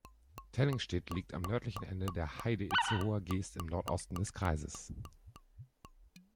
Tellingstedt liegt am nördlichen Ende der Heide-Itzehoer Geest im Nordosten des Kreises.